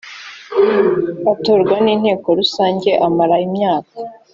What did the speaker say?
atorwa n’inteko rusange amara imyaka